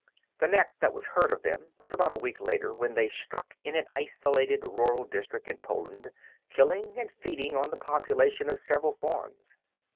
"The next that was heard of them was about a week later, when they struck in an isolated rural district in Poland, killing and feeding on the population of several farms.